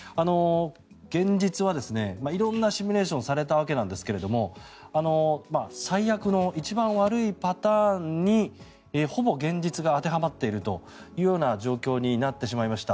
現実は色んなシミュレーションをされたわけなんですが最悪の一番悪いパターンにほぼ現実が当てはまっているという状況になってしまいました。